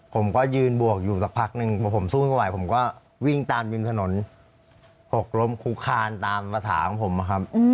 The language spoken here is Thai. พอสู้ไม่ไหวผมก็วิ่งตามบินถนนปกล้มคุคคานตามประสาทของผมนะครับ